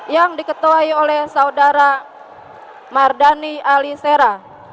yang diketuai oleh saudara mardani ali sera